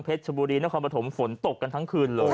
ชบุรีนครปฐมฝนตกกันทั้งคืนเลย